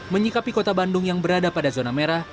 menyikapi kota bandung yang berada pada zona merah